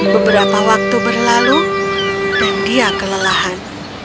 beberapa waktu berlalu dan dia kelelahan